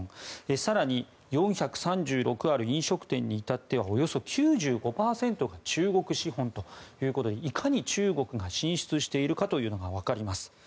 更に４３６ある飲食店に至ってはおよそ９５％が中国資本ということでいかに中国が進出しているかというのがわかります。